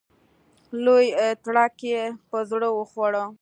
لوی تړک یې په زړه وخوړ.